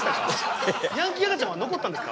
ヤンキー赤ちゃんは残ったんですか？